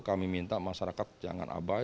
kami minta masyarakat jangan abai